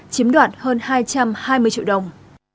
chiếm đoạn hơn hai trăm hai mươi triệu đồng